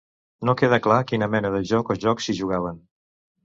No queda clar quina mena de joc o jocs s'hi jugaven.